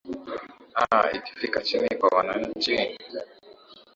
aa ikifikia chini kwa wananchi